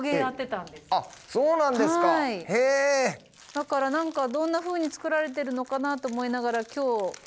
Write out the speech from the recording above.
だから何かどんなふうに作られてるのかなと思いながら今日何か。